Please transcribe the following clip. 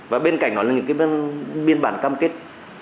và bên cạnh đó là những cái biên bản cam kết